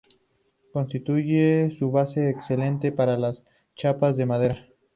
Constituye una base excelente para las chapas de madera.